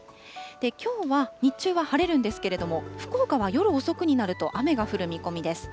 きょうは日中は晴れるんですけれども、福岡は夜遅くになると雨が降る見込みです。